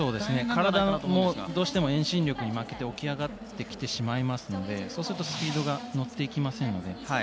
体もどうしても遠心力に負けて起き上がってしまいますのでそうするとスピードが乗ってきませんよね。